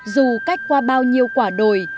dù cách qua bao nhiêu quả đồi